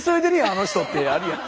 あの人ってあるやん。